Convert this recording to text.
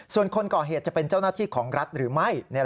ส่วนคนก่อเหตุจะเป็นเจ้าหน้าที่ของรัฐหรือไม่